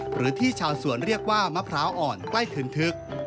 หรือที่ชาวสวนเรียกว่ามะพร้าวอ่อนใกล้คืนทึก